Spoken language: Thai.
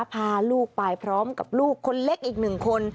พาลูกไปพร้อมกับลูกคนเล็กอีกหนึ่งคน